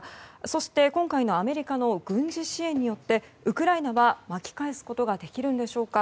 そして、今回のアメリカの軍事支援によってウクライナは巻き返すことができるんでしょうか。